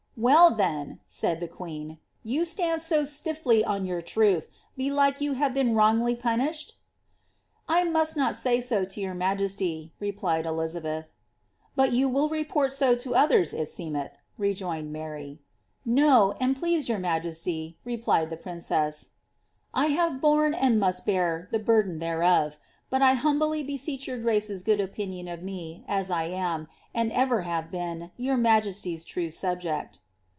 ^^ Well, then," said the queen, ^ you stand so stiffly on your truth, belike you have been wrongfully punisheti ?"^ I must not say so to your majesty," replied Elizabeth. *• But you will report so to others, it seenieth," rejoined Mary. No, an"* please your majesty," replied the princess, '* I have borne, and must hear, the burden theieof; but I humbly beseech your grace's gocKJ opinion of me, as 1 am, and ever have been, your majesty's true subject."